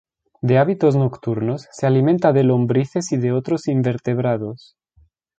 De hábitos nocturnos, se alimenta de lombrices y de otros invertebrados.